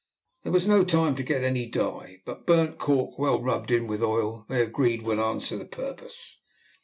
There was no time to get any dye, but burnt cork well rubbed in with oil they agreed would answer the purpose.